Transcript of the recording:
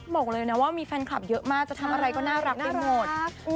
บอกเลยนะว่ามีแฟนคลับเยอะมากจะทำอะไรก็น่ารักไปหมด